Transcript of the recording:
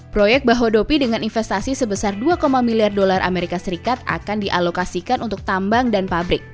proyek bahodopi dengan investasi sebesar dua miliar dolar amerika serikat akan dialokasikan untuk tambang dan pabrik